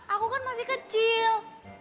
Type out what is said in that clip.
aku kan masih kecil